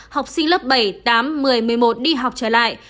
học sinh lớp bảy tám một mươi một mươi một đi học trở lại